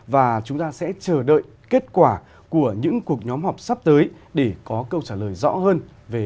và chúng ta sẽ chờ đợi kết quả của những cuộc nhóm họp sắp tới để có câu trả lời rõ hơn về